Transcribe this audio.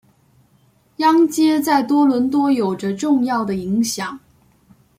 央街在多伦多有着重要的影响。